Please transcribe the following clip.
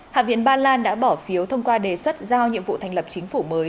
hạ viện ba lan đã bỏ phiếu thông qua đề xuất giao nhiệm vụ thành lập chính phủ mới